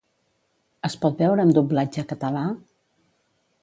Es pot veure amb doblatge català?